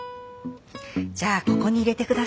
じゃあここに入れて下さい。